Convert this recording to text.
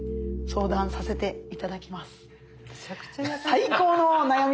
最高の悩みです。